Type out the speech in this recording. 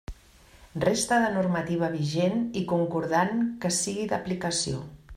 Resta de normativa vigent i concordant que sigui d'aplicació.